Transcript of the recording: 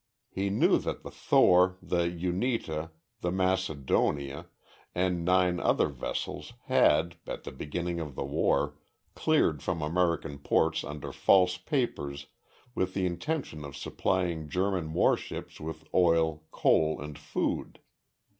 He knew that the Thor, the Unita, the Macedonia, and nine other vessels had, at the beginning of the war, cleared from American ports under false papers with the intention of supplying German warships with oil, coal, and food.